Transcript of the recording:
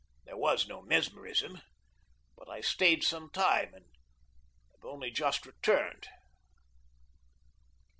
There was no mesmerism, but I stayed some time and have only just returned.